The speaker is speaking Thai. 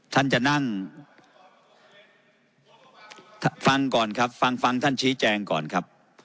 ท่านจะนั่งฟังก่อนครับฟังฟังท่านชี้แจงก่อนครับ